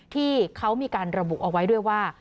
ที่เขามีการระบุเอาไว้ด้วยว่า